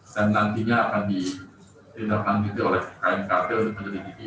dan nantinya akan didetekan oleh kmkt untuk meneliti